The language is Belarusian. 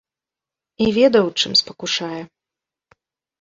І ведаў, чым спакушае.